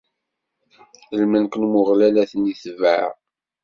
Lmelk n Umeɣlal ad ten-itbeɛ.